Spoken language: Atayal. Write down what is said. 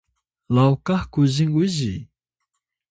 lawkah kung uzi